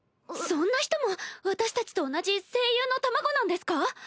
そんな人も私たちと同じ声優の卵なんですか？